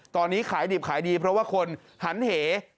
ตอนนี้ขายดิบขายดีเพราะว่าคนหันเห